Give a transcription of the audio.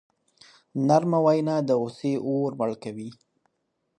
نرمه وینا د غصې اور مړ کوي.